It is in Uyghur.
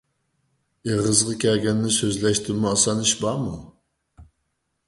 ئېغىزغا كەلگەننى سۆزلەشتىنمۇ ئاسان ئىش بارمۇ؟